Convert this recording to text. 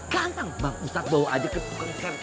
tang tang bang ustadz bawa aja ke kentang